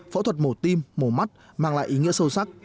phẫu thuật mổ tim mổ mắt mang lại ý nghĩa sâu sắc